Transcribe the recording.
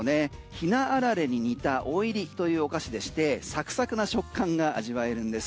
ひなあられに似たおいりというお菓子でしてサクサクな食感が味わえるんです。